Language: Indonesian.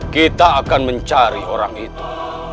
kita akan mencari orang itu